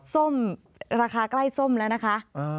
ส้มราคาใกล้ส้มแล้วนะคะ